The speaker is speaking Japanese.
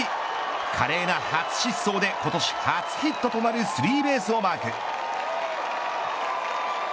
華麗な初疾走で今年初ヒットとなるスリーベースをマーク。